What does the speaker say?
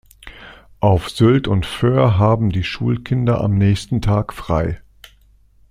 Auf Sylt und Föhr haben die Schulkinder am nächsten Tag frei.